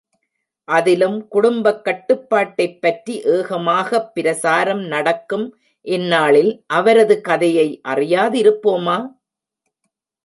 அதிலும் குடும்பக் கட்டுப்பாட்டைப் பற்றி ஏகமாகப் பிரசாரம் நடக்கும் இந்நாளில் அவரது கதையை அறியாதிருப்போமா?